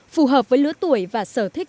phù hợp với lứa tuổi và sở thích